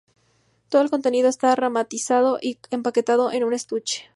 Todo el contenido está remasterizado y empaquetado en un estuche.